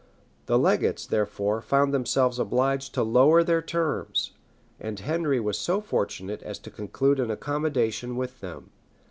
The legates, therefore, found themselves obliged to lower their terms; and Henry was so fortunate as to conclude an accommodation with them.